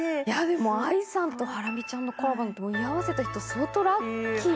ＡＩさんとハラミちゃんのコラボなんて居合わせた人相当ラッキー。